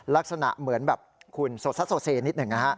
ลักษณะเหมือนแบบคุณสดทัศน์โสเซนิดหนึ่ง